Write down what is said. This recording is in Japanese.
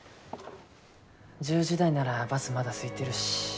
１０時台ならバスまだすいてるし。